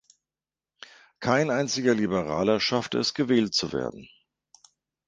Kein einziger Liberaler schaffte es, gewählt zu werden.